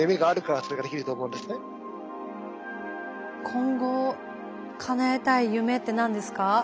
今後かなえたい夢って何ですか？